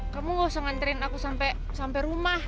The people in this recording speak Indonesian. kamu gak usah nganterin aku sampai rumah